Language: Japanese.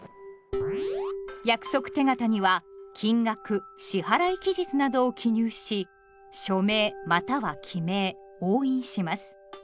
約束手形には金額支払期日などを記入し署名または記名押印します。